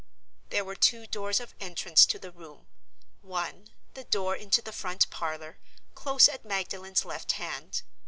There were two doors of entrance to the room. One, the door into the front parlor, close at Magdalen's left hand.